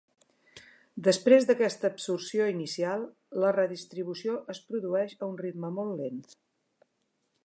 Després d'aquesta absorció inicial, la redistribució es produeix a un ritme molt lent.